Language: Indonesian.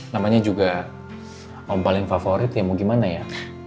namanya juga yang paling favorit ya mau gimana ya